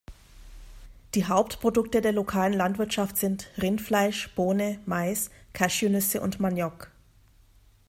Die Hauptprodukte der lokalen Landwirtschaft sind: Rindfleisch, Bohne, Mais, Cashewnüsse und Maniok.